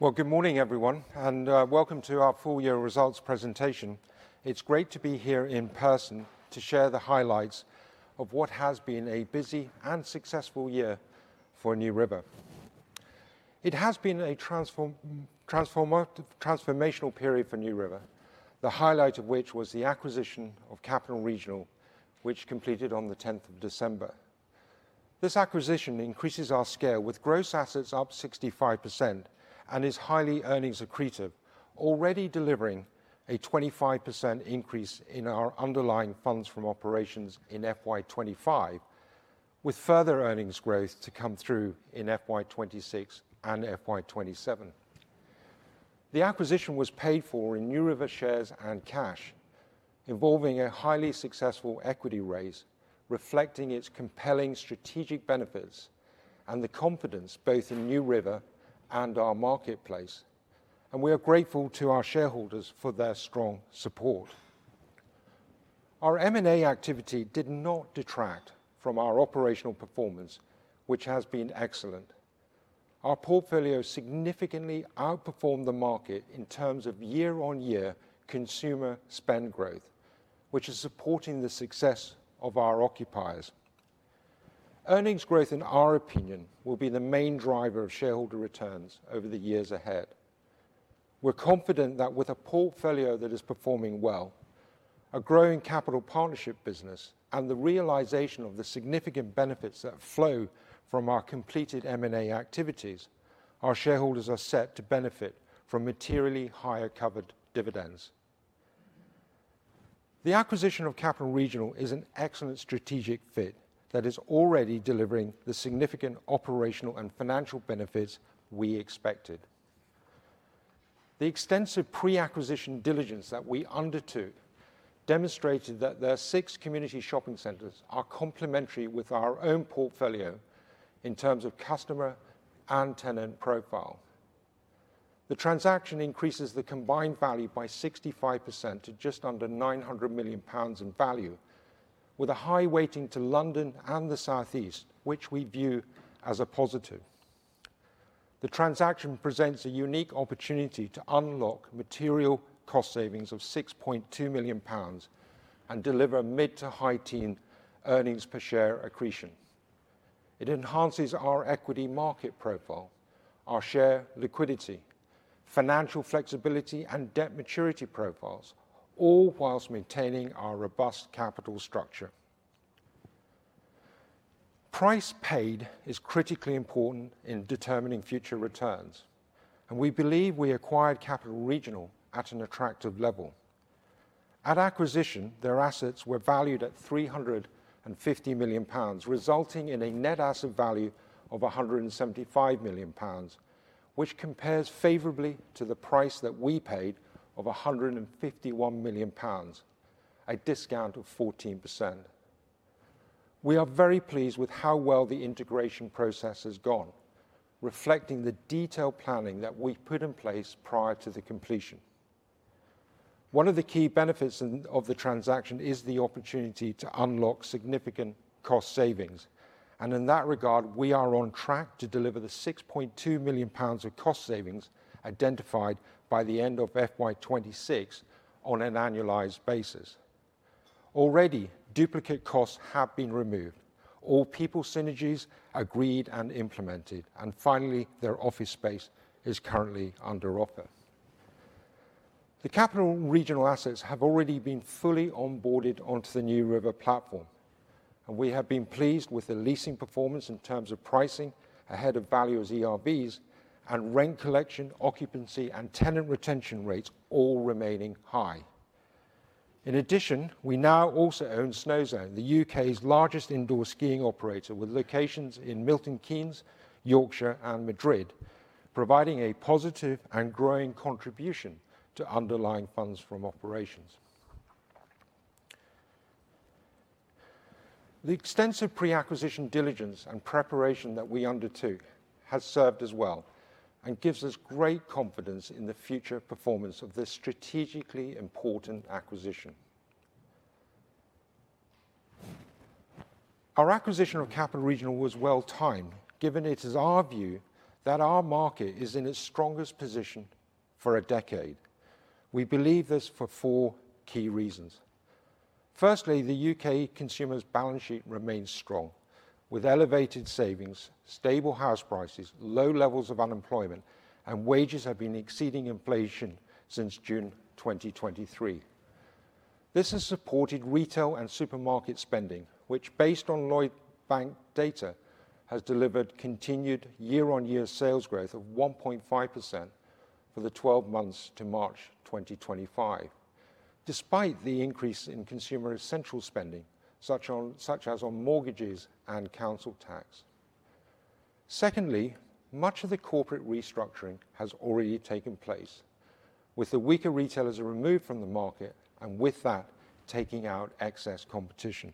Good morning, everyone, and welcome to our full-year results presentation. It is great to be here in person to share the highlights of what has been a busy and successful year for NewRiver. It has been a transformational period for NewRiver, the highlight of which was the acquisition of Capital & Regional, which completed on the 10th of December. This acquisition increases our scale, with gross assets up 65% and is highly earnings-accretive, already delivering a 25% increase in our underlying funds from operations in FY 2025, with further earnings growth to come through in FY 2026 and FY 20207. The acquisition was paid for in NewRiver shares and cash, involving a highly successful equity raise, reflecting its compelling strategic benefits and the confidence both in NewRiver and our marketplace. We are grateful to our shareholders for their strong support. Our M&A activity did not detract from our operational performance, which has been excellent. Our portfolio significantly outperformed the market in terms of year-on-year consumer spend growth, which is supporting the success of our occupiers. Earnings growth, in our opinion, will be the main driver of shareholder returns over the years ahead. We're confident that with a portfolio that is performing well, a growing capital partnership business, and the realization of the significant benefits that flow from our completed M&A activities, our shareholders are set to benefit from materially higher covered dividends. The acquisition of Capital & Regional is an excellent strategic fit that is already delivering the significant operational and financial benefits we expected. The extensive pre-acquisition diligence that we undertook demonstrated that the six community shopping centres are complementary with our own portfolio in terms of customer and tenant profile. The transaction increases the combined value by 65% to just under 900 million pounds in value, with a high weighting to London and the Southeast, which we view as a positive. The transaction presents a unique opportunity to unlock material cost savings of 6.2 million pounds and deliver mid to high-teen earnings per share accretion. It enhances our equity market profile, our share liquidity, financial flexibility, and debt maturity profiles, all whilst maintaining our robust capital structure. Price paid is critically important in determining future returns, and we believe we acquired Capital & Regional at an attractive level. At acquisition, their assets were valued at 350 million pounds, resulting in a net asset value of 175 million pounds, which compares favorably to the price that we paid of 151 million pounds, a discount of 14%. We are very pleased with how well the integration process has gone, reflecting the detailed planning that we put in place prior to the completion. One of the key benefits of the transaction is the opportunity to unlock significant cost savings. In that regard, we are on track to deliver the 6.2 million pounds of cost savings identified by the end of FY 2026 on an annualized basis. Already, duplicate costs have been removed, all people synergies agreed and implemented, and finally, their office space is currently under offer. The Capital & Regional assets have already been fully onboarded onto the NewRiver platform, and we have been pleased with the leasing performance in terms of pricing ahead of value as ERVs and rent collection, occupancy, and tenant retention rates all remaining high. In addition, we now also own Snozone, the U.K.'s largest indoor skiing operator, with locations in Milton Keynes, Yorkshire, and Madrid, providing a positive and growing contribution to underlying funds from operations. The extensive pre-acquisition diligence and preparation that we undertook has served us well and gives us great confidence in the future performance of this strategically important acquisition. Our acquisition of Capital & Regional was well-timed, given it is our view that our market is in its strongest position for a decade. We believe this for four key reasons. Firstly, the U.K. consumer's balance sheet remains strong, with elevated savings, stable house prices, low levels of unemployment, and wages have been exceeding inflation since June 2023. This has supported retail and supermarket spending, which, based on Lloyds Bank data, has delivered continued year-on-year sales growth of 1.5% for the 12 months to March 2025, despite the increase in consumer essential spending, such as on mortgages and council tax. Secondly, much of the corporate restructuring has already taken place, with the weaker retailers removed from the market and with that taking out excess competition.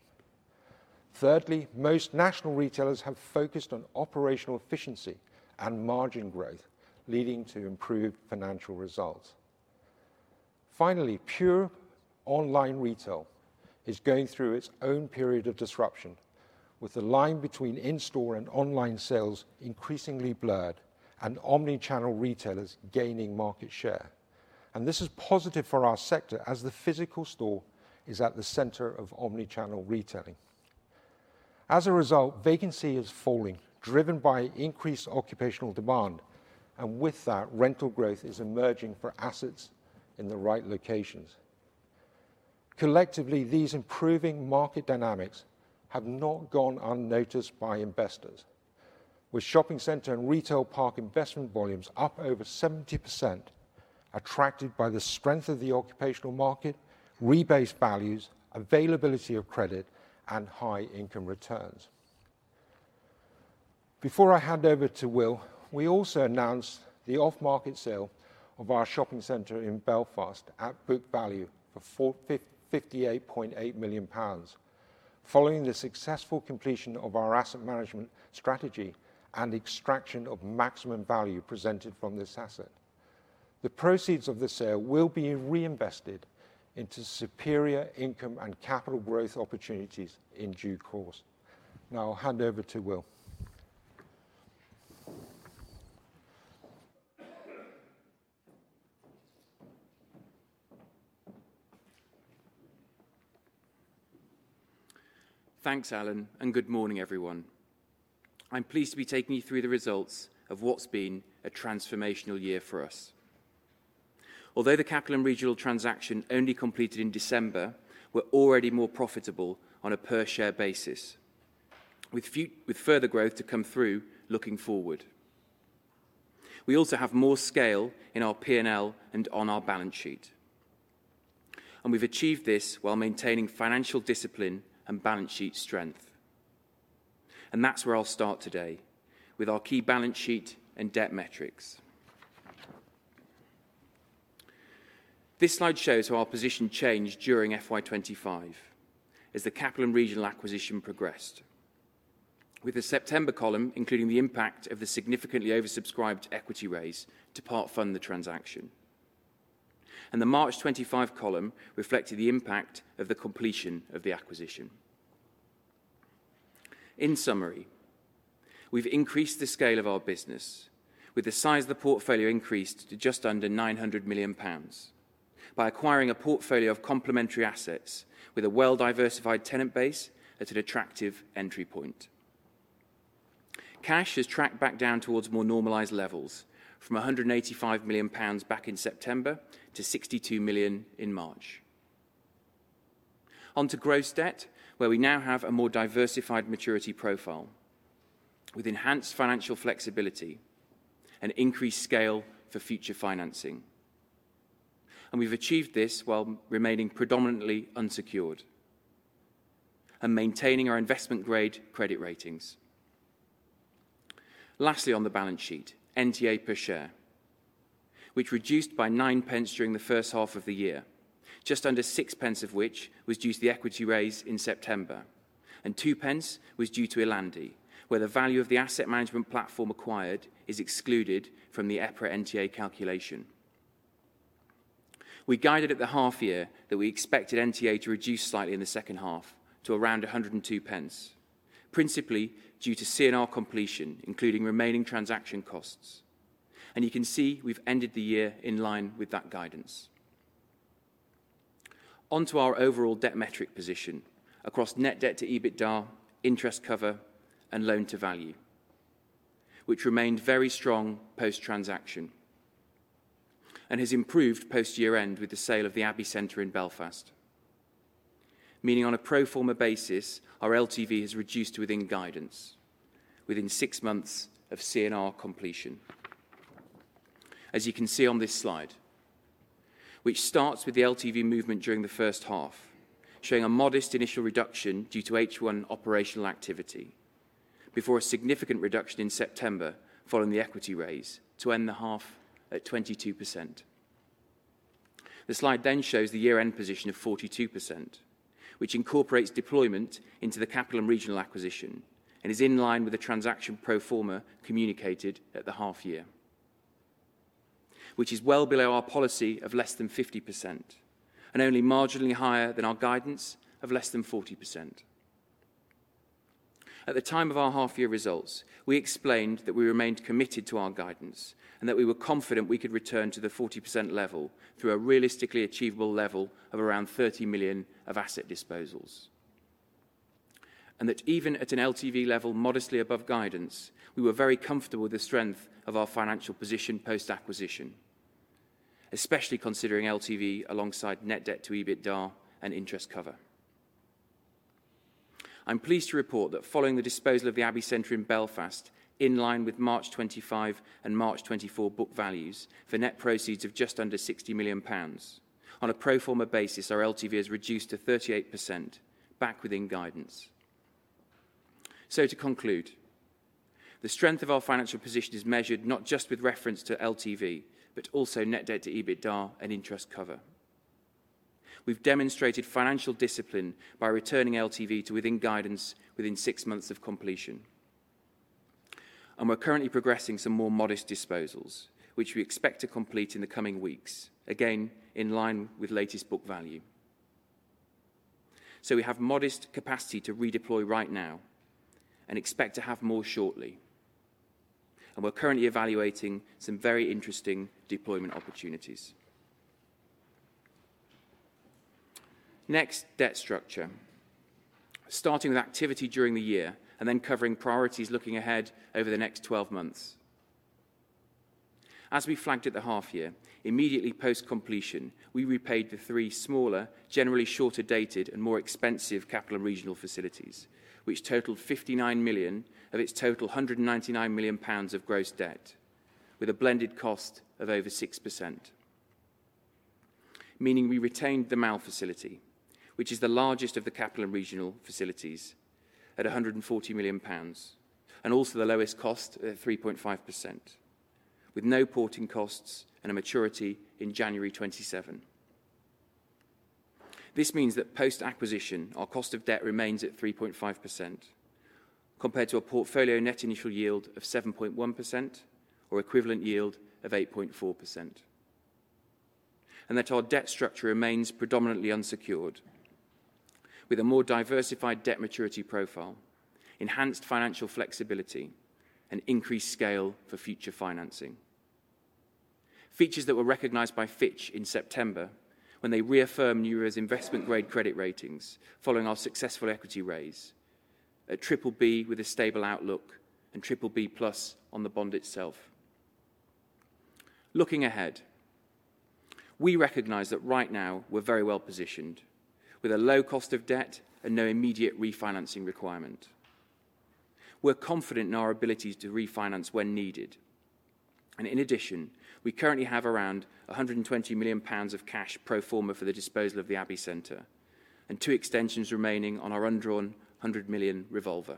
Thirdly, most national retailers have focused on operational efficiency and margin growth, leading to improved financial results. Finally, pure online retail is going through its own period of disruption, with the line between in-store and online sales increasingly blurred and omnichannel retailers gaining market share. This is positive for our sector, as the physical store is at the center of omnichannel retailing. As a result, vacancy is falling, driven by increased occupational demand, and with that, rental growth is emerging for assets in the right locations. Collectively, these improving market dynamics have not gone unnoticed by investors, with shopping center and retail park investment volumes up over 70%, attracted by the strength of the occupational market, rebate values, availability of credit, and high income returns. Before I hand over to Will, we also announced the off-market sale of our shopping center in Belfast at book value for 58.8 million pounds, following the successful completion of our asset management strategy and extraction of maximum value presented from this asset. The proceeds of the sale will be reinvested into superior income and capital growth opportunities in due course. Now I'll hand over to Will. Thanks, Allan, and good morning, everyone. I'm pleased to be taking you through the results of what's been a transformational year for us. Although the Capital & Regional transaction only completed in December, we're already more profitable on a per-share basis, with further growth to come through looking forward. We also have more scale in our P&L and on our balance sheet. We've achieved this while maintaining financial discipline and balance sheet strength. That's where I'll start today with our key balance sheet and debt metrics. This slide shows how our position changed during FY 2025 as the Capital & Regional acquisition progressed, with the September column including the impact of the significantly oversubscribed equity raise to part-fund the transaction. The March 2025 column reflected the impact of the completion of the acquisition. In summary, we've increased the scale of our business, with the size of the portfolio increased to just under 900 million pounds by acquiring a portfolio of complementary assets with a well-diversified tenant base at an attractive entry point. Cash has tracked back down towards more normalized levels from 185 million pounds back in September to 62 million in March. Onto gross debt, where we now have a more diversified maturity profile with enhanced financial flexibility and increased scale for future financing. We have achieved this while remaining predominantly unsecured and maintaining our investment-grade credit ratings. Lastly, on the balance sheet, NTA per share, which reduced by nine pence during the first half of the year, just under six pence of which was due to the equity raise in September, and two pence was due to Ellandi, where the value of the asset management platform acquired is excluded from the EPRA NTA calculation. We guided at the half year that we expected NTA to reduce slightly in the second half to around 102 pence, pricipally due to C&R completion, including remaining transaction costs. You can see we have ended the year in line with that guidance. Onto our overall debt metric position across net debt to EBITDA, interest cover, and loan to value, which remained very strong post-transaction and has improved post-year-end with the sale of the Abbey Centre in Belfast, meaning on a pro forma basis, our LTV has reduced to within guidance within six months of C&R completion, as you can see on this slide, which starts with the LTV movement during the first half, showing a modest initial reduction due to H1 operational activity before a significant reduction in September following the equity raise to end the half at 22%. The slide then shows the year-end position of 42%, which incorporates deployment into the Capital & Regional acquisition and is in line with the transaction pro forma communicated at the half year, which is well below our policy of less than 50% and only marginally higher than our guidance of less than 40%. At the time of our half-year results, we explained that we remained committed to our guidance and that we were confident we could return to the 40% level through a realistically achievable level of around 30 million of asset disposals, and that even at an LTV level modestly above guidance, we were very comfortable with the strength of our financial position post-acquisition, especially considering LTV alongside net debt to EBITDA and interest cover. I'm pleased to report that following the disposal of the Abbey Centre in Belfast, in line with March 2025 and March 2024 book values for net proceeds of just under 60 million pounds, on a pro forma basis, our LTV has reduced to 38%, back within guidance. To conclude, the strength of our financial position is measured not just with reference to LTV, but also net debt to EBITDA and interest cover. We've demonstrated financial discipline by returning LTV to within guidance within six months of completion, and we are currently progressing some more modest disposals, which we expect to complete in the coming weeks, again in line with latest book value. We have modest capacity to redeploy right now and expect to have more shortly. We are currently evaluating some very interesting deployment opportunities. Next, debt structure, starting with activity during the year and then covering priorities looking ahead over the next 12 months. As we flagged at the half year, immediately post-completion, we repaid the three smaller, generally shorter-dated and more expensive Capital & Regional facilities, which totaled 59 million of its total 199 million pounds of gross debt, with a blended cost of over 6%, meaning we retained the MAL facility, which is the largest of the Capital & Regional facilities at 140 million pounds and also the lowest cost at 3.5%, with no porting costs and a maturity in January 2027. This means that post-acquisition, our cost of debt remains at 3.5% compared to a portfolio net initial yield of 7.1% or equivalent yield of 8.4%. Our debt structure remains predominantly unsecured, with a more diversified debt maturity profile, enhanced financial flexibility, and increased scale for future financing. Features that were recognized by Fitch in September when they reaffirmed NewRiver's investment-grade credit ratings following our successful equity raise at BBB with a stable outlook and BBB+ on the bond itself. Looking ahead, we recognize that right now we are very well positioned with a low cost of debt and no immediate refinancing requirement. We are confident in our abilities to refinance when needed. In addition, we currently have around 120 million pounds of cash pro forma for the disposal of the Abbey Centre and two extensions remaining on our undrawn 100 million revolver.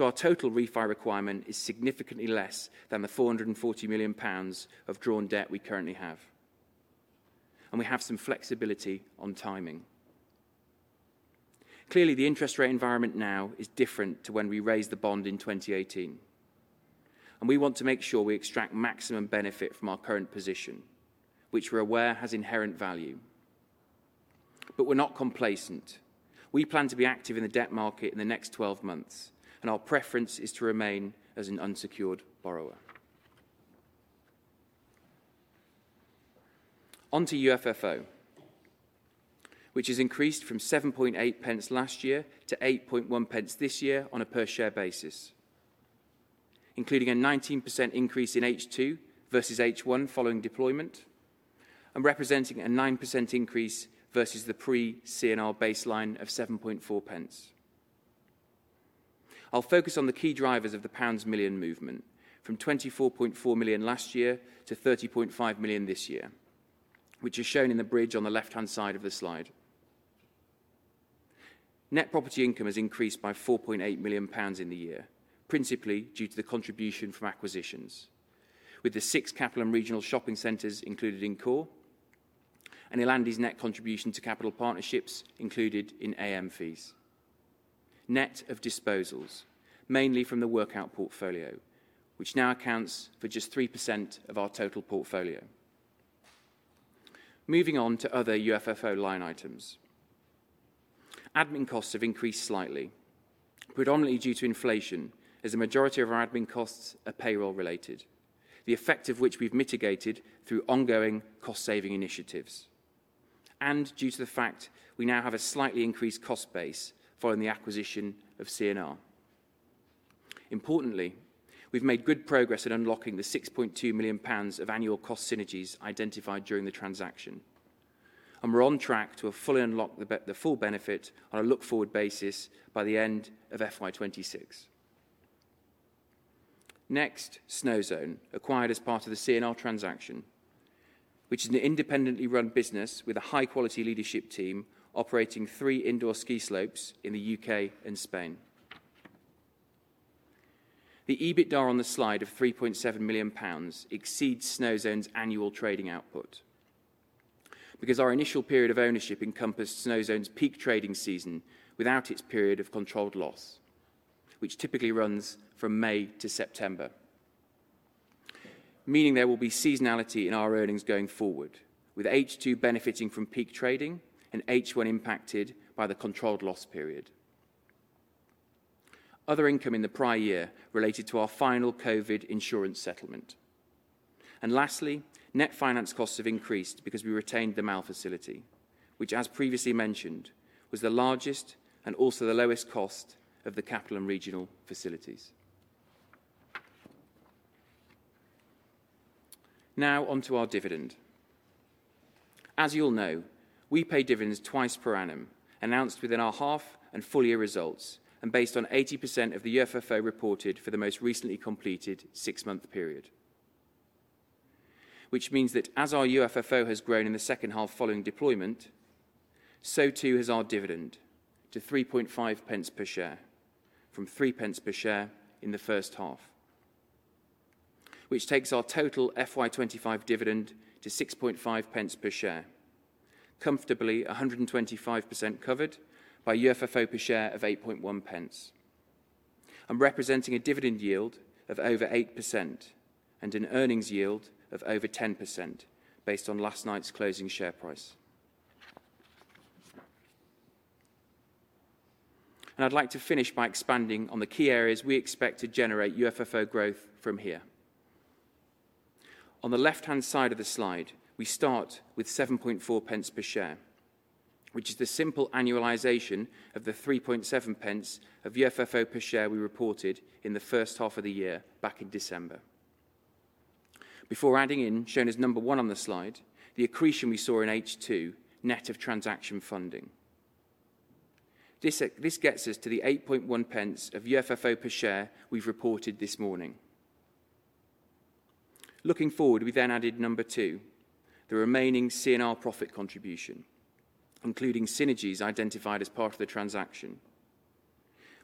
Our total refi requirement is significantly less than the 440 million pounds of drawn debt we currently have. We have some flexibility on timing. Clearly, the interest rate environment now is different to when we raised the bond in 2018. We want to make sure we extract maximum benefit from our current position, which we are aware has inherent value. We are not complacent. We plan to be active in the debt market in the next 12 months, and our preference is to remain as an unsecured borrower. Onto UFFO, which has increased from 7.8 pence last year to 8.1 pence this year on a per-share basis, including a 19% increase in H2 versus H1 following deployment and representing a 9% increase versus the pre-sale baseline of 7.4 pence. I will focus on the key drivers of the pounds 24.4 million movement from 24.4 million last year to 30.5 million this year, which is shown in the bridge on the left-hand side of the slide. Net property income has increased by 4.8 million pounds in the year, principally due to the contribution from acquisitions, with the six Capital & Regional shopping centres included in core and Ellandi's net contribution to capital partnerships included in AM fees. Net of disposals, mainly from the workout portfolio, which now accounts for just 3% of our total portfolio. Moving on to other UFFO line items, admin costs have increased slightly, predominantly due to inflation, as a majority of our admin costs are payroll-related, the effect of which we've mitigated through ongoing cost-saving initiatives and due to the fact we now have a slightly increased cost base following the acquisition of C&R. Importantly, we've made good progress in unlocking the 6.2 million pounds of annual cost synergies identified during the transaction, and we're on track to fully unlock the full benefit on a look-forward basis by the end of FY 2026. Next, Snowzone, acquired as part of the C&R transaction, which is an independently run business with a high-quality leadership team operating three indoor ski slopes in the U.K. and Spain. The EBITDA on the slide of 3.7 million pounds exceeds Snowzone's annual trading output because our initial period of ownership encompassed Snowzone's peak trading season without its period of controlled loss, which typically runs from May to September, meaning there will be seasonality in our earnings going forward, with H2 benefiting from peak trading and H1 impacted by the controlled loss period. Other income in the prior year related to our final COVID insurance settlement. Lastly, net finance costs have increased because we retained the MAL facility, which, as previously mentioned, was the largest and also the lowest cost of the Capital & Regional facilities. Now onto our dividend. As you'll know, we pay dividends twice per annum announced within our half and full year results and based on 80% of the UFFO reported for the most recently completed six-month period, which means that as our UFFO has grown in the second half following deployment, so too has our dividend to 0.035 pence per share from 0.03 per share in the first half, which takes our total FY 2025 dividend to 0.065 pence per share, comfortably 125% covered by UFFO per share of0.081 pence and representing a dividend yield of over 8% and an earnings yield of over 10% based on last night's closing share price. I'd like to finish by expanding on the key areas we expect to generate UFFO growth from here. On the left-hand side of the slide, we start with 7.4 pence per share, which is the simple annualization of the 3.7 pence of UFFO per share we reported in the first half of the year back in December. Before adding in, shown as number one on the slide, the accretion we saw in H2 net of transaction funding. This gets us to the 8.1 pence of UFFO per share we've reported this morning. Looking forward, we then added number two, the remaining C &R profit contribution, including synergies identified as part of the transaction,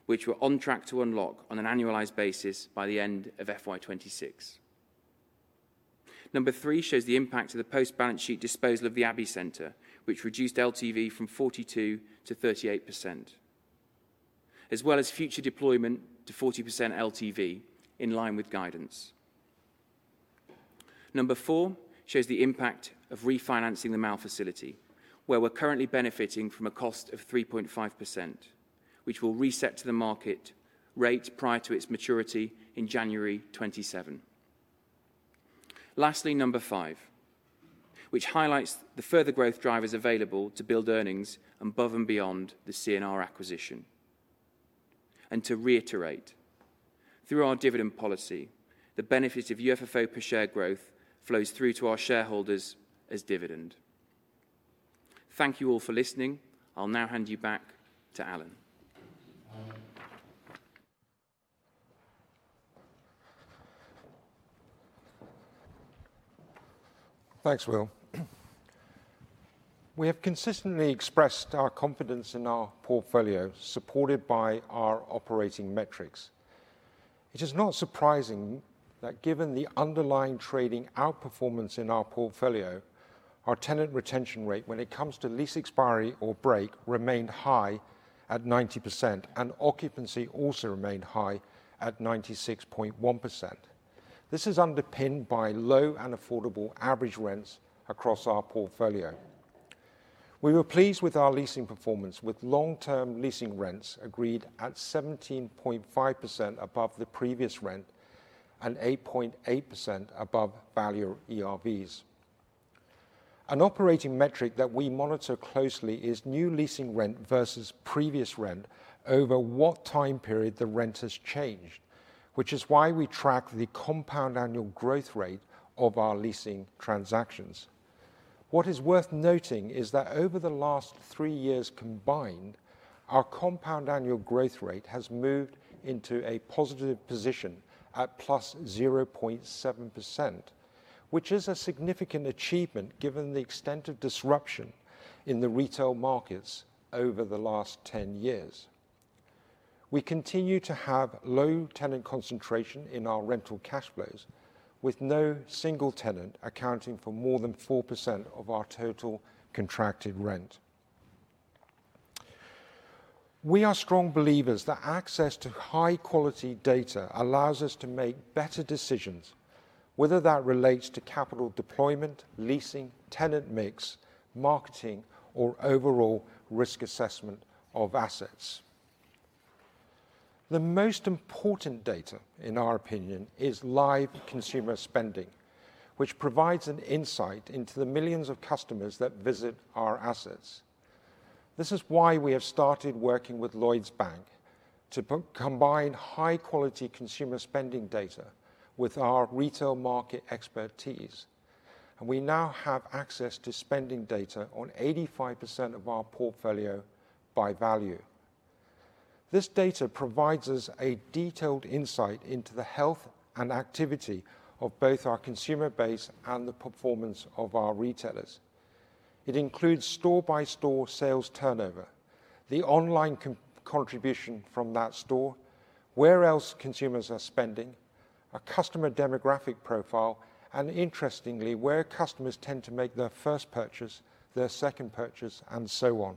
which were on track to unlock on an annualized basis by the end of FY 2026. Number three shows the impact of the post-balance sheet disposal of the Abbey Centre, which reduced LTV from 42%-38%, as well as future deployment to 40% LTV in line with guidance. Number four shows the impact of refinancing the MAL facility, where we're currently benefiting from a cost of 3.5%, which will reset to the market rate prior to its maturity in January 2027. Lastly, number five, which highlights the further growth drivers available to build earnings above and beyond the C&R acquisition. To reiterate, through our dividend policy, the benefit of UFFO per share growth flows through to our shareholders as dividend. Thank you all for listening. I'll now hand you back to Allan. Thanks, Will. We have consistently expressed our confidence in our portfolio supported by our operating metrics. It is not surprising that given the underlying trading outperformance in our portfolio, our tenant retention rate when it comes to lease expiry or break remained high at 90%, and occupancy also remained high at 96.1%. This is underpinned by low and affordable average rents across our portfolio. We were pleased with our leasing performance, with long-term leasing rents agreed at 17.5% above the previous rent and 8.8% above value ERVs. An operating metric that we monitor closely is new leasing rent versus previous rent over what time period the rent has changed, which is why we track the compound annual growth rate of our leasing transactions. What is worth noting is that over the last three years combined, our compound annual growth rate has moved into a positive position at +0.7%, which is a significant achievement given the extent of disruption in the retail markets over the last 10 years. We continue to have low tenant concentration in our rental cash flows, with no single tenant accounting for more than 4% of our total contracted rent. We are strong believers that access to high-quality data allows us to make better decisions, whether that relates to capital deployment, leasing, tenant mix, marketing, or overall risk assessment of assets. The most important data, in our opinion, is live consumer spending, which provides an insight into the millions of customers that visit our assets. This is why we have started working with Lloyds Bank to combine high-quality consumer spending data with our retail market expertise, and we now have access to spending data on 85% of our portfolio by value. This data provides us a detailed insight into the health and activity of both our consumer base and the performance of our retailers. It includes store-by-store sales turnover, the online contribution from that store, where else consumers are spending, a customer demographic profile, and interestingly, where customers tend to make their first purchase, their second purchase, and so on.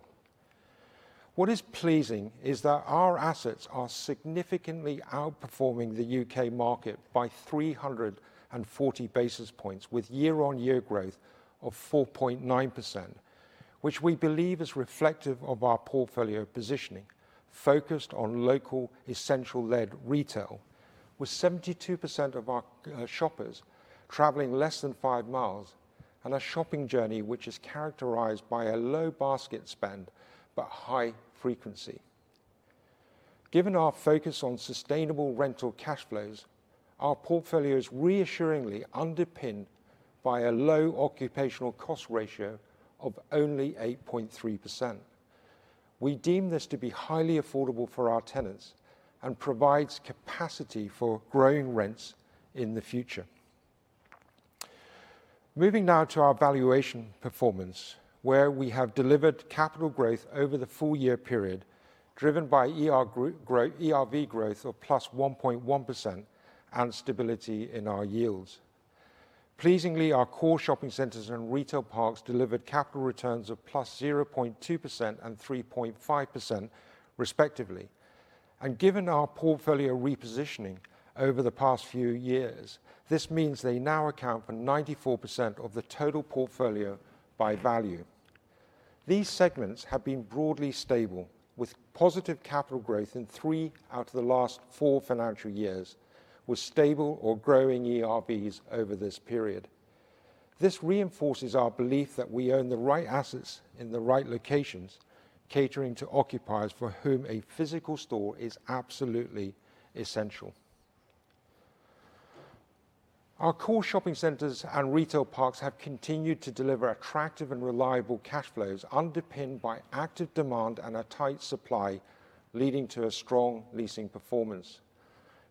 What is pleasing is that our assets are significantly outperforming the U.K. market by 340 basis points, with year-on-year growth of 4.9%, which we believe is reflective of our portfolio positioning focused on local essential-led retail, with 72% of our shoppers traveling less than 5 mi and a shopping journey which is characterized by a low basket spend but high frequency. Given our focus on sustainable rental cash flows, our portfolio is reassuringly underpinned by a low occupational cost ratio of only 8.3%. We deem this to be highly affordable for our tenants and provides capacity for growing rents in the future. Moving now to our valuation performance, where we have delivered capital growth over the full year period, driven by ERV growth of +1.1% and stability in our yields. Pleasingly, our core shopping centres and retail parks delivered capital returns of +0.2% and +3.5%, respectively. Given our portfolio repositioning over the past few years, this means they now account for 94% of the total portfolio by value. These segments have been broadly stable, with positive capital growth in three out of the last four financial years with stable or growing ERVs over this period. This reinforces our belief that we own the right assets in the right locations, catering to occupiers for whom a physical store is absolutely essential. Our core shopping centers and retail parks have continued to deliver attractive and reliable cash flows underpinned by active demand and a tight supply, leading to a strong leasing performance.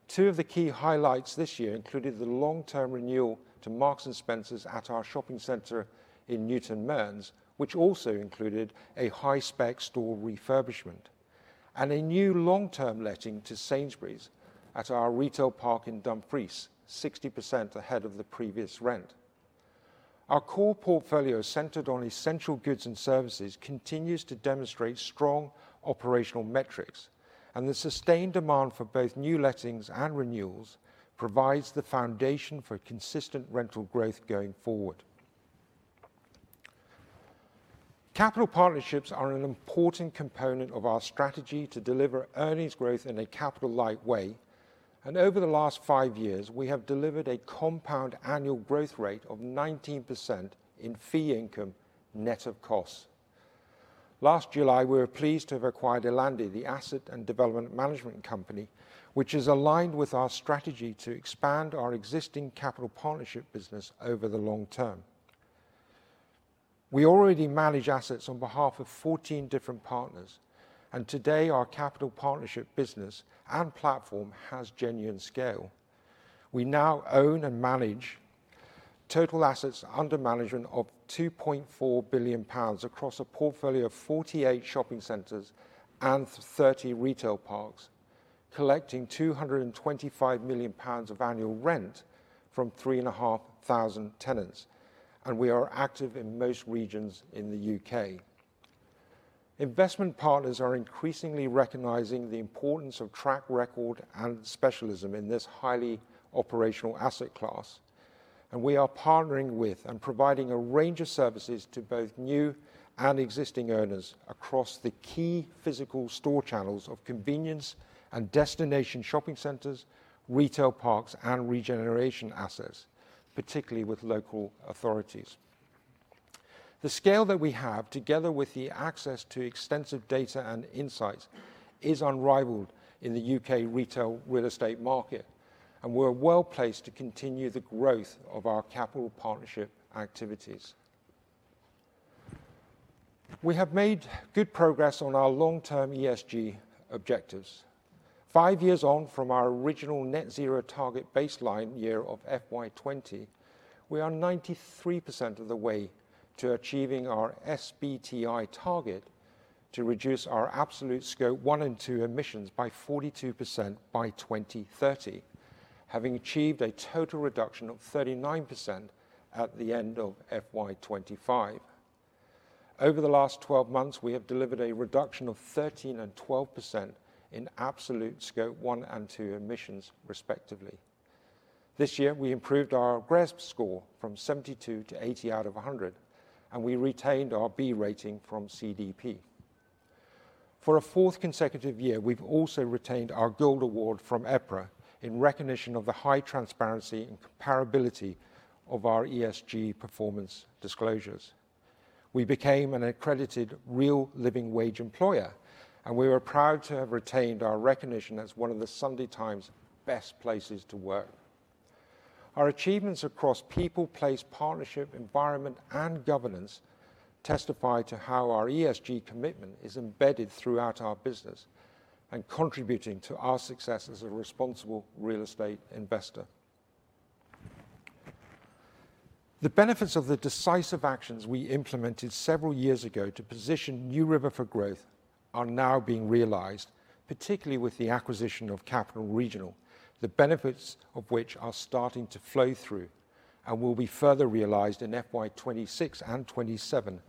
Two of the key highlights this year included the long-term renewal to Marks & Spencer at our shopping centre in Newton Mearns, which also included a high-spec store refurbishment, and a new long-term letting to Sainsbury's at our retail park in Dumfries, 60% ahead of the previous rent. Our core portfolio centered on essential goods and services continues to demonstrate strong operational metrics, and the sustained demand for both new lettings and renewals provides the foundation for consistent rental growth going forward. Capital partnerships are an important component of our strategy to deliver earnings growth in a capital-light way, and over the last five years, we have delivered a compound annual growth rate of 19% in fee income net of costs. Last July, we were pleased to have acquired Ellandi, the asset and development management company, which is aligned with our strategy to expand our existing capital partnership business over the long-term. We already manage assets on behalf of 14 different partners, and today our capital partnership business and platform has genuine scale. We now own and manage total assets under management of 2.4 billion pounds across a portfolio of 48 shopping centers and 30 retail parks, collecting 225 million pounds of annual rent from 3,500 tenants, and we are active in most regions in the U.K. Investment partners are increasingly recognizing the importance of track record and specialism in this highly operational asset class, and we are partnering with and providing a range of services to both new and existing owners across the key physical store channels of convenience and destination shopping centres, retail parks, and regeneration assets, particularly with local authorities. The scale that we have, together with the access to extensive data and insights, is unrivaled in the U.K. retail real estate market, and we're well placed to continue the growth of our capital partnership activities. We have made good progress on our long-term ESG objectives. Five years on from our original net zero target baseline year of FY 2020, we are 93% of the way to achieving our SBTI target to reduce our absolute scope one and two emissions by 42% by 2030, having achieved a total reduction of 39% at the end of FY 2025. Over the last 12 months, we have delivered a reduction of 13% and 12% in absolute scope one and two emissions, respectively. This year, we improved our RESP score from 72%-80% out of 100, and we retained our B rating from CDP. For a fourth consecutive year, we have also retained our Gold Award from EPRA in recognition of the high transparency and comparability of our ESG performance disclosures. We became an accredited real living wage employer, and we were proud to have retained our recognition as one of the Sunday Times' best places to work. Our achievements across people, place, partnership, environment, and governance testify to how our ESG commitment is embedded throughout our business and contributing to our success as a responsible real estate investor. The benefits of the decisive actions we implemented several years ago to position NewRiver for growth are now being realized, particularly with the acquisition of Capital & Regional, the benefits of which are starting to flow through and will be further realized in FY 2026 and 2027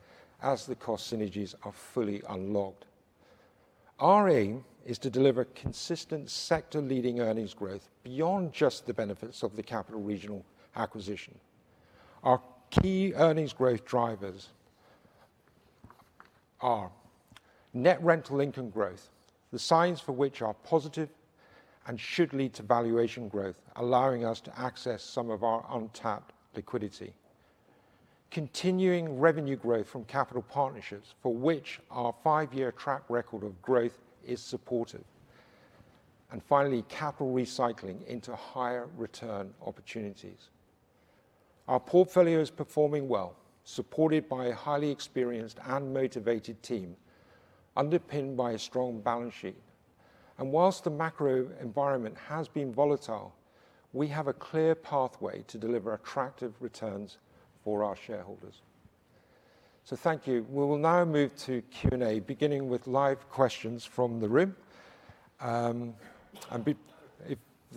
as the cost synergies are fully unlocked. Our aim is to deliver consistent sector-leading earnings growth beyond just the benefits of the Capital & Regional acquisition. Our key earnings growth drivers are net rental income growth, the signs for which are positive and should lead to valuation growth, allowing us to access some of our untapped liquidity, continuing revenue growth from capital partnerships for which our five-year track record of growth is supportive, and finally, capital recycling into higher return opportunities. Our portfolio is performing well, supported by a highly experienced and motivated team, underpinned by a strong balance sheet. Whilst the macro environment has been volatile, we have a clear pathway to deliver attractive returns for our shareholders. Thank you. We will now move to Q&A, beginning with live questions from the room. For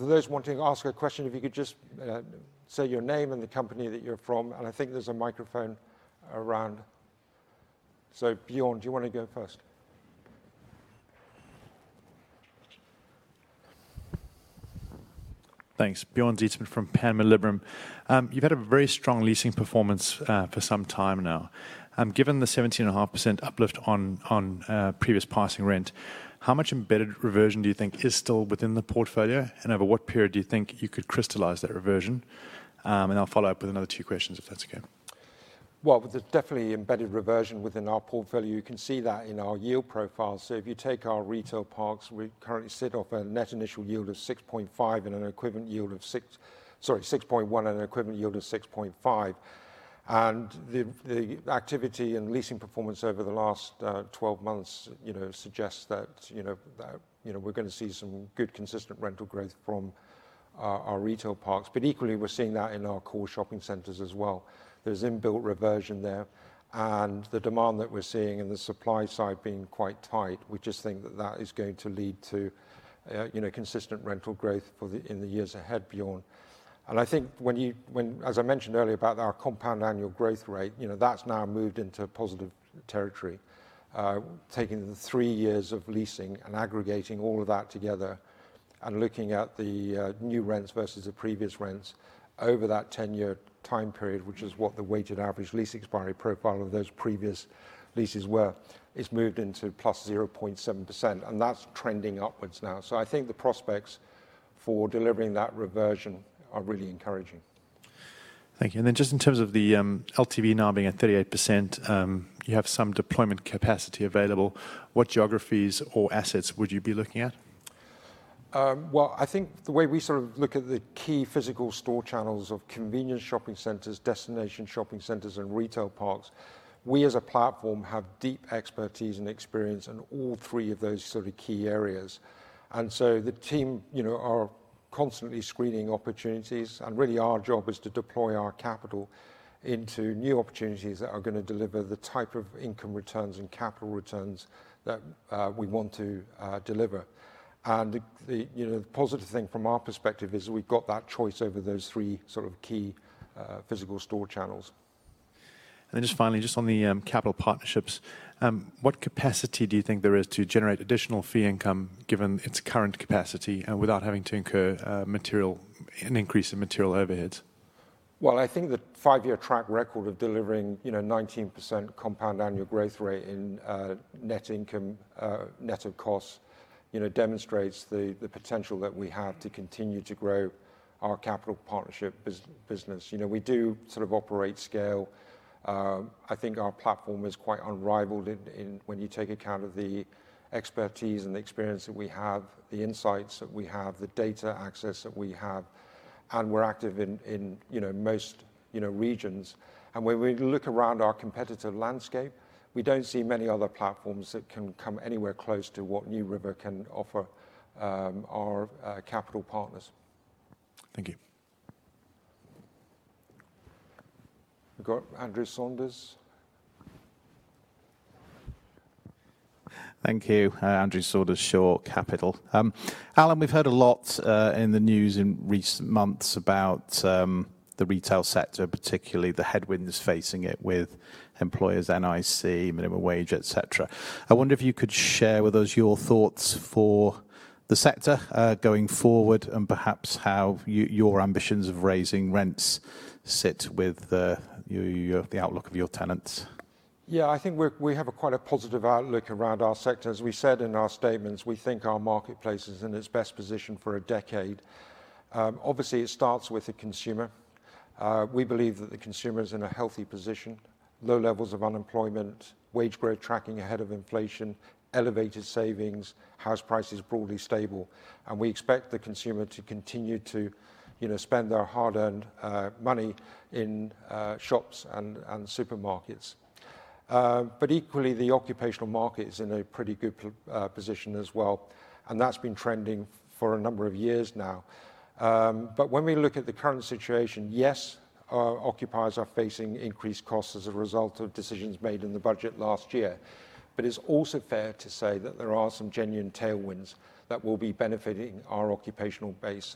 those wanting to ask a question, if you could just say your name and the company that you are from. I think there is a microphone around. Bjorn, do you want to go first? Thanks.Bjorn Zietsman from Panmure Liberum. You've had a very strong leasing performance for some time now. Given the 17.5% uplift on previous passing rent, how much embedded reversion do you think is still within the portfolio, and over what period do you think you could crystallize that reversion? I'll follow up with another two questions if that's okay. There is definitely embedded reversion within our portfolio. You can see that in our yield profile. If you take our retail parks, we currently sit off a net initial yield of 6.1% and an equivalent yield of 6.5%. The activity and leasing performance over the last 12 months suggests that we're going to see some good consistent rental growth from our retail parks. Equally, we're seeing that in our core shopping centers as well. There's inbuilt reversion there, and the demand that we're seeing and the supply side being quite tight, we just think that that is going to lead to consistent rental growth in the years ahead, Bjorn. I think when you, as I mentioned earlier about our compound annual growth rate, that's now moved into positive territory, taking the three years of leasing and aggregating all of that together and looking at the new rents versus the previous rents over that 10-year time period, which is what the weighted average lease expiry profile of those previous leases were, it's moved into +0.7%, and that's trending upwards now. I think the prospects for delivering that reversion are really encouraging. Thank you. In terms of the LTV now being at 38%, you have some deployment capacity available. What geographies or assets would you be looking at? I think the way we sort of look at the key physical store channels of convenience shopping centers, destination shopping centers, and retail parks, we as a platform have deep expertise and experience in all three of those sort of key areas. The team are constantly screening opportunities, and really our job is to deploy our capital into new opportunities that are going to deliver the type of income returns and capital returns that we want to deliver. The positive thing from our perspective is we've got that choice over those three sort of key physical store channels. Just finally, just on the capital partnerships, what capacity do you think there is to generate additional fee income given its current capacity without having to incur an increase in material overheads? I think the five-year track record of delivering 19% compound annual growth rate in net income, net of costs, demonstrates the potential that we have to continue to grow our capital partnership business. We do sort of operate scale. I think our platform is quite unrivaled when you take account of the expertise and the experience that we have, the insights that we have, the data access that we have, and we're active in most regions. When we look around our competitive landscape, we do not see many other platforms that can come anywhere close to what NewRiver can offer our capital partners. Thank you. We've got Andrew Saunders. Thank you. Andrew Saunders, Shore Capital. Allan, we've heard a lot in the news in recent months about the retail sector, particularly the headwinds facing it with employers, NIC, minimum wage, etc. I wonder if you could share with us your thoughts for the sector going forward and perhaps how your ambitions of raising rents sit with the ou tlook of your tenants. Yeah, I think we have quite a positive outlook around our sector. As we said in our statements, we think our marketplace is in its best position for a decade. Obviously, it starts with the consumer. We believe that the consumer is in a healthy position, low levels of unemployment, wage growth tracking ahead of inflation, elevated savings, house prices broadly stable. We expect the consumer to continue to spend their hard-earned money in shops and supermarkets. Equally, the occupational market is in a pretty good position as well, and that's been trending for a number of years now. When we look at the current situation, yes, our occupiers are facing increased costs as a result of decisions made in the budget last year. It's also fair to say that there are some genuine tailwinds that will be benefiting our occupational base.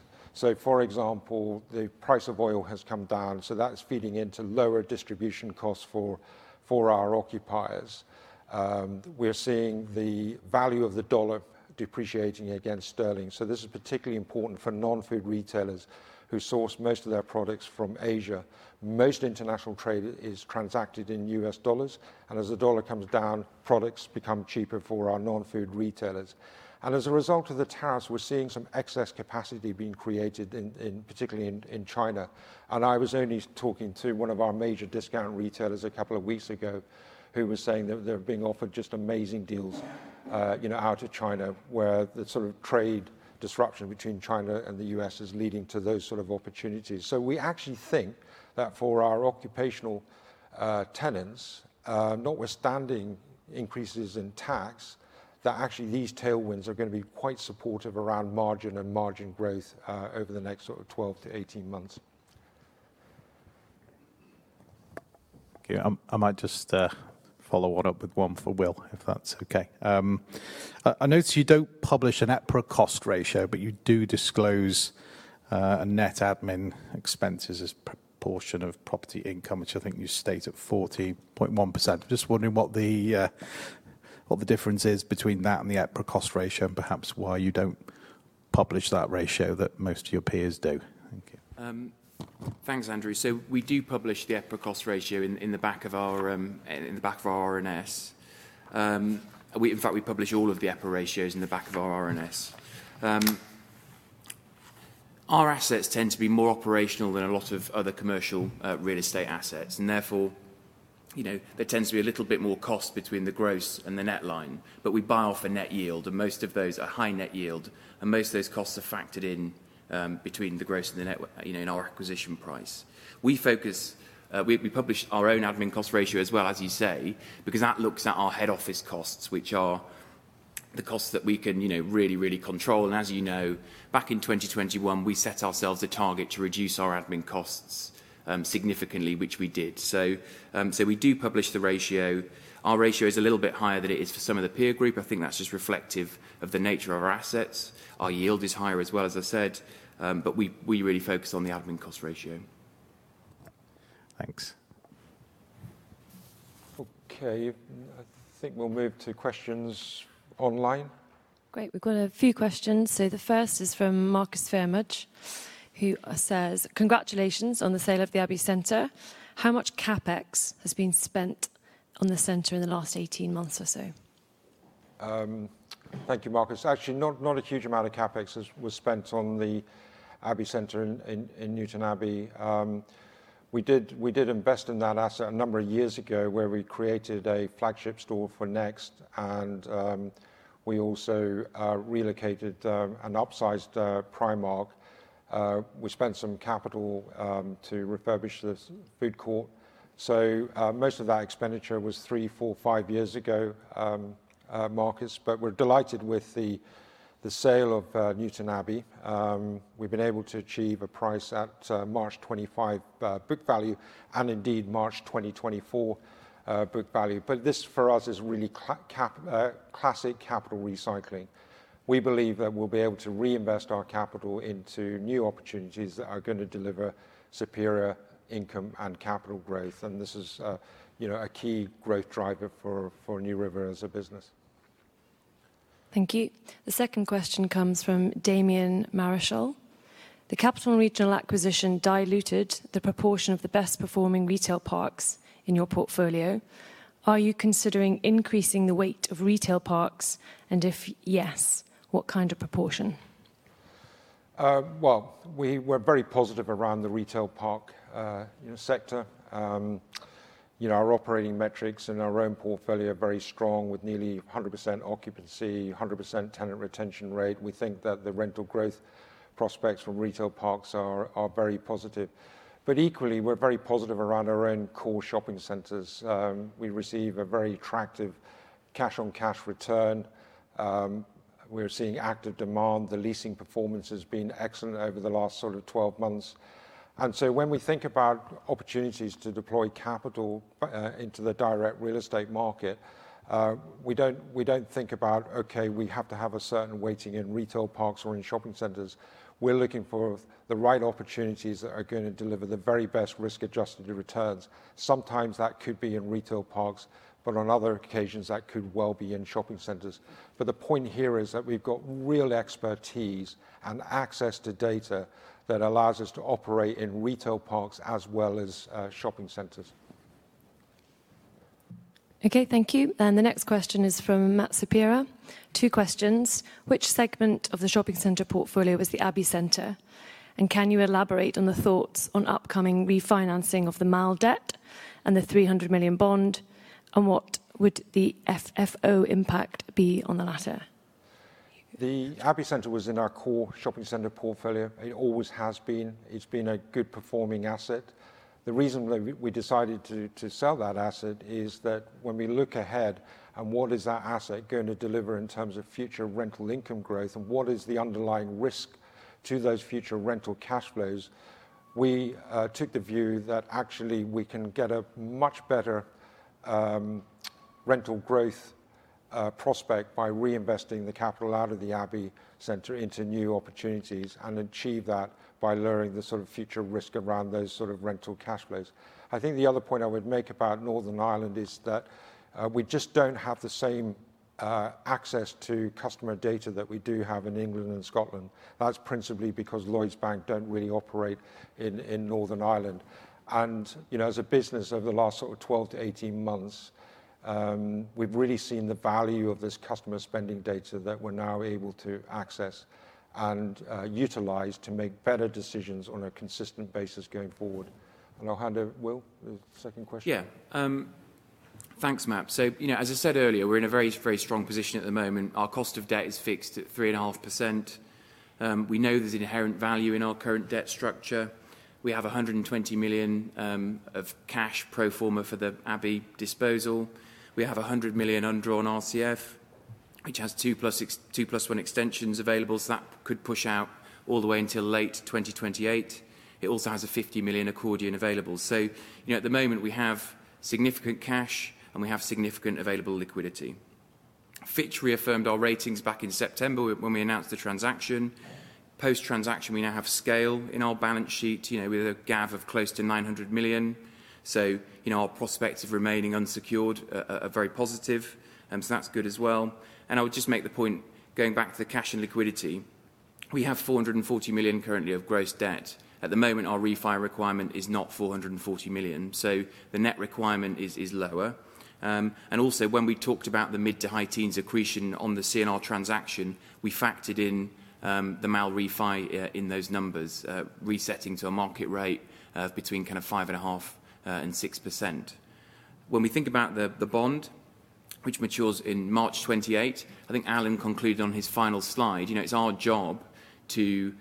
For example, the price of oil has come down, so that's feeding into lower distribution costs for our occupiers. We're seeing the value of the dollar depreciating against sterling. This is particularly important for non-food retailers who source most of their products from Asia. Most international trade is transacted in US dollars, and as the dollar comes down, products become cheaper for our non-food retailers. As a result of the tariffs, we're seeing some excess capacity being created, particularly in China. I was only talking to one of our major discount retailers a couple of weeks ago who was saying that they're being offered just amazing deals out of China where the sort of trade disruption between China and the U.S. is leading to those sort of opportunities. We actually think that for our occupational tenants, notwithstanding increases in tax, that actually these tailwinds are going to be quite supportive around margin and margin growth over the next 12-18 months. Okay, I might just follow one up with one for Will, if that's okay. I noticed you don't publish an EPRA cost ratio, but you do disclose net admin expenses as a proportion of property income, which I think you state at 40.1%. I'm just wondering what the difference is between that and the EPRA cost ratio and perhaps why you don't publish that ratio that most of your peers do. Thank you. Thanks, Andrew. We do publish the EPRA cost ratio in the back of our RNS. In fact, we publish all of the EPRA ratios in the back of our RNS. Our assets tend to be more operational than a lot of other commercial real estate assets, and therefore there tends to be a little bit more cost between the gross and the net line. We buy off a net yield, and most of those are high net yield, and most of those costs are factored in between the gross and the net in our acquisition price. We publish our own admin cost ratio as well, as you say, because that looks at our head office costs, which are the costs that we can really, really control. As you know, back in 2021, we set ourselves a target to reduce our admin costs significantly, which we did. We do publish the ratio. Our ratio is a little bit higher than it is for some of the peer group. I think that is just reflective of the nature of our assets. Our yield is higher as well, as I said, but we really focus on the admin cost ratio. Thanks. Okay, I think we will move to questions online. Great. We have got a few questions. The first is from Marcus Vervelde, who says, "Congratulations on the sale of the Abbey Centre. How much CapEx has been spent on the centre in the last 18 months or so? Thank you, Marcus. Actually, not a huge amount of CapEx was spent on the Abbey Centre in Newtonabbey. We did invest in that asset a number of years ago where we created a flagship store for Next, and we also relocated an upsized Primark. We spent some capital to refurbish the food court. Most of that expenditure was three, four, five years ago, Marcus, but we're delighted with the sale of Newtonabbey. We've been able to achieve a price at March 2025 book value and indeed March 2024 book value. This for us is really classic capital recycling. We believe that we'll be able to reinvest our capital into new opportunities that are going to deliver superior income and capital growth, and this is a key growth driver for NewRiver as a business. Thank you. The second question comes from Damien Marshall. The Capital & Regional acquisition diluted the proportion of the best performing retail parks in your portfolio. Are you considering increasing the weight of retail parks, and if yes, what kind of proportion? We were very positive around the retail park sector. Our operating metrics and our own portfolio are very strong with nearly 100% occupancy, 100% tenant retention rate. We think that the rental growth prospects from retail parks are very positive. Equally, we're very positive around our own core shopping centers. We receive a very attractive cash-on-cash return. We're seeing active demand. The leasing performance has been excellent over the last sort of 12 months. When we think about opportunities to deploy capital into the direct real estate market, we do not think about, "Okay, we have to have a certain weighting in retail parks or in shopping centers." We are looking for the right opportunities that are going to deliver the very best risk-adjusted returns. Sometimes that could be in retail parks, but on other occasions, that could well be in shopping centers. The point here is that we have real expertise and access to data that allows us to operate in retail parks as well as shopping centers. Okay, thank you. The next question is from Matt Sapers. Two questions. Which segment of the shopping center portfolio is the Abbey Centre? Can you elaborate on the thoughts on upcoming refinancing of the MAL debt and the 300 million bond? What would the FFO impact be on the latter? The Abbey Centre was in our core shopping centre portfolio. It always has been. It's been a good performing asset. The reason we decided to sell that asset is that when we look ahead and what is that asset going to deliver in terms of future rental income growth and what is the underlying risk to those future rental cash flows, we took the view that actually we can get a much better rental growth prospect by reinvesting the capital out of the Abbey Centre into new opportunities and achieve that by lowering the sort of future risk around those sort of rental cash flows. I think the other point I would make about Northern Ireland is that we just do not have the same access to customer data that we do have in England and Scotland. That is principally because Lloyds Bank do not really operate in Northern Ireland. As a business over the last sort of 12-18 months, we have really seen the value of this customer spending data that we are now able to access and utilize to make better decisions on a consistent basis going forward. I will hand over, Will, the second question. Yeah. Thanks, Matt. As I said earlier, we are in a very, very strong position at the moment. Our cost of debt is fixed at 3.5%. We know there is inherent value in our current debt structure. We have 120 million of cash pro forma for the Abbey disposal. We have 100 million undrawn RCF, which has two plus one extensions available, so that could push out all the way until late 2028. It also has a 50 million accordion available. At the moment, we have significant cash, and we have significant available liquidity. Fitch reaffirmed our ratings back in September when we announced the transaction. Post-transaction, we now have scale in our balance sheet with a GAV of close to 900 million. Our prospects of remaining unsecured are very positive, and that is good as well. I would just make the point, going back to the cash and liquidity, we have 440 million currently of gross debt. At the moment, our refi requirement is not 440 million, so the net requirement is lower. Also, when we talked about the mid to high teens accretion on the C&R transaction, we factored in the MAL refi in those numbers, resetting to a market rate between 5.5% and 6%. When we think about the bond, which matures in March 2028, I think Allan concluded on his final slide, it's our job to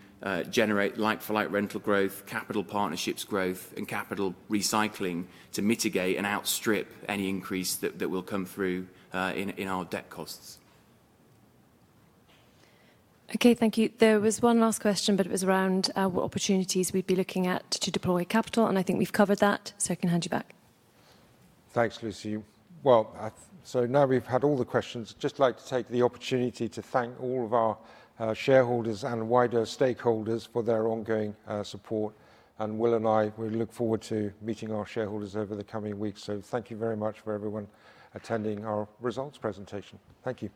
generate like-for-like rental growth, capital partnerships growth, and capital recycling to mitigate and outstrip any increase that will come through in our debt costs. Thank you. There was one last question, but it was around what opportunities we'd be looking at to deploy capital, and I think we've covered that, so I can hand you back. Thank you, Lucy. Now we've had all the questions. I would just like to take the opportunity to thank all of our shareholders and wider stakeholders for their ongoing support. Will and I, we look forward to meeting our shareholders over the coming weeks. Thank you very much for everyone attending our results presentation. Thank you.